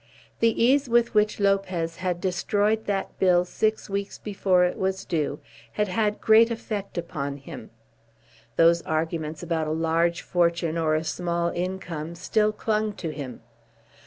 The ease with which Lopez had destroyed that bill six weeks before it was due had had great effect upon him. Those arguments about a large fortune or a small income still clung to him.